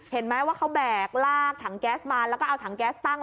เห็นไหมว่าเขาแบกลากถังแก๊สมาแล้วก็เอาถังแก๊สตั้ง